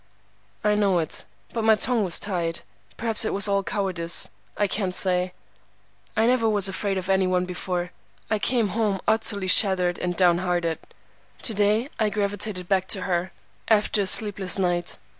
"I know it. But my tongue was tied. Perhaps it was all cowardice; I can't say. I never was afraid of any one before. I came home utterly shattered and down hearted. To day I gravitated back to her, after a sleepless night.